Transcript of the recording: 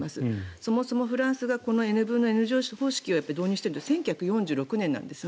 そもそもフランスがこのＮ分Ｎ乗方式を導入しているのは１９４６年なんですね。